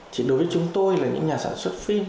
thì đối với chúng tôi là những nhà sản xuất phim